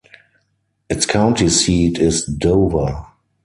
Its county seat is Dover.